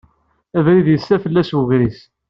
Abrid yessa fell-as wegris.